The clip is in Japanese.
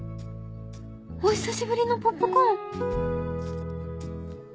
お久しぶりのポップコーン！